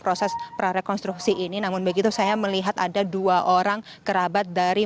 proses prarekonstruksi ini namun begitu saya melihat ada dua orang kerabat dari